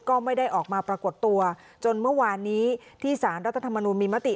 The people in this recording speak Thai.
ก็ไม่ได้ออกมาปรากฏตัวจนเมื่อวานนี้ที่สารรัฐธรรมนุนมีมติ